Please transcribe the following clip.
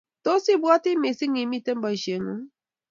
Tos ibwoti mising imete boishet ng'ung?